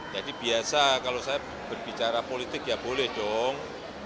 jadi biasa kalau saya berbicara politik ya boleh dong